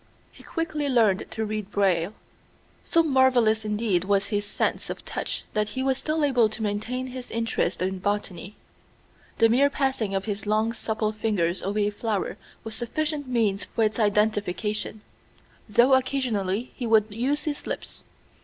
He quickly learned to read Braille. So marvelous indeed was his sense of touch that he was still able to maintain his interest in botany. The mere passing of his long supple fingers over a flower was sufficient means for its identification, though occasionally he would use his lips.